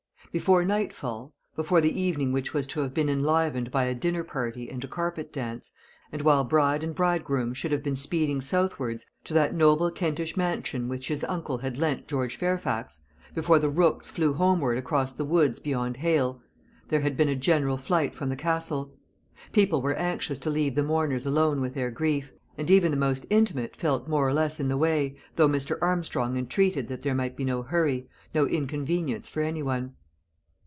Before nightfall before the evening which was to have been enlivened by a dinner party and a carpet dance, and while bride and bridegroom should have been speeding southwards to that noble Kentish mansion which his uncle had lent George Fairfax before the rooks flew homeward across the woods beyond Hale there had been a general flight from the Castle. People were anxious to leave the mourners alone with their grief, and even the most intimate felt more or less in the way, though Mr. Armstrong entreated that there might be no hurry, no inconvenience for any one.